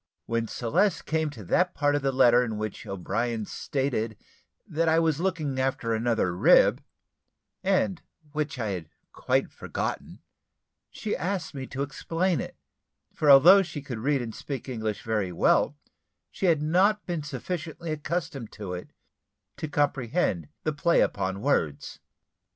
When Celeste came to that part of the letter in which O'Brien stated that I was looking after another rib, and which I had quite forgotten, she asked me to explain it; for although she could read and speak English very well, she had not been sufficiently accustomed to it to comprehend the play upon words.